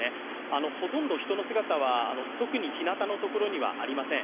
ほとんど人の姿は、特に日なたのところにはありません。